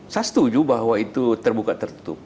saya setuju bahwa itu terbuka tertutup